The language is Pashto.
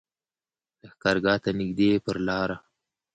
لښکرګاه ته نږدې پر لاره.